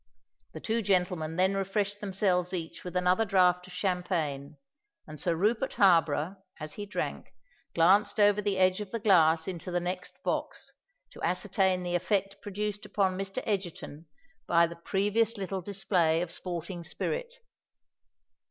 The two gentlemen then refreshed themselves each with another draught of champagne; and Sir Rupert Harborough, as he drank, glanced over the edge of the glass into the next box, to ascertain the effect produced upon Mr. Egerton by the previous little display of sporting spirit.